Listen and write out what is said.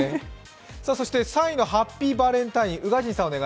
そして３位のハッピーバレンタイン、宇賀神さん